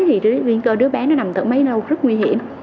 thì nguy cơ đứa bé nó nằm thở máy lâu rất nguy hiểm